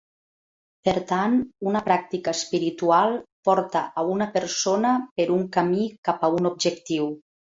Per tant, una pràctica espiritual porta a una persona per un camí cap a un objectiu.